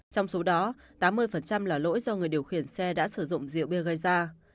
trong số đó tám mươi là lỗi do người điều khiển xe đã sử dụng rượu bia gây ra